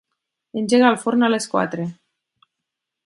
Engega el forn a les quatre.